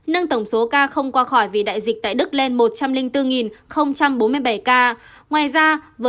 nâng tổng số ca không qua khỏi vì đại dịch tại đức lên một trăm linh bốn bốn mươi bảy ca